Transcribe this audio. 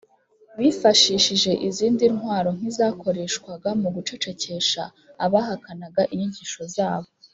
bifashishije izindi ntwaro nk’izakoreshwaga mu gucecekesha abahakanaga inyigisho zabo